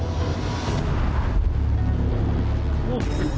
เฮ้ยโอ้โฮ